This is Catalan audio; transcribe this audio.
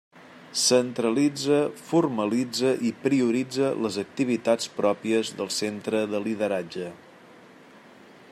Centralitza, formalitza i prioritza les activitats pròpies del Centre de Lideratge.